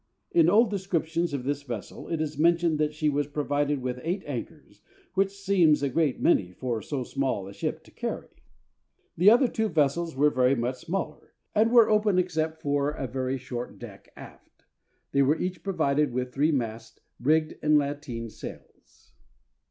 In old descriptions of this vessel it is mentioned that she was provided with eight anchors, which seems a great many for so small a ship to carry. The other two vessels were much smaller, and were open except for a very short deck aft. They were each provided with three masts, rigged with lateen sails.